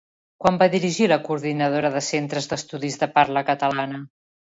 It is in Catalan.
Quan va dirigir la Coordinadora de Centres d'Estudis de Parla Catalana?